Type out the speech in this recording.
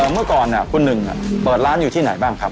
เมื่อก่อนคุณหนึ่งเปิดร้านอยู่ที่ไหนบ้างครับ